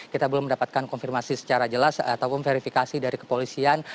kita belum mendapatkan konfirmasi secara jelas ataupun verifikasi dari kepolisian